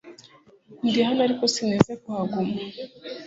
Ndi hano ariko sinteze kuhaguma .